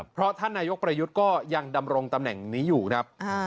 เพราะท่านนายกประยุทธ์ก็ยังดำรงตำแหน่งนี้อยู่ครับ